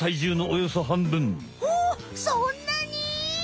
おそんなに！？